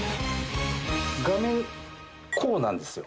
画面こうなんですよ。